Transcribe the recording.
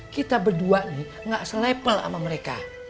kita berdua nih gak se level sama mereka